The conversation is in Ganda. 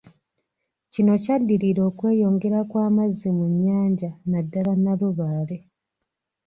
Kino kyaddirira okweyongera kw’amazzi mu nnyanja naddala Nalubaale.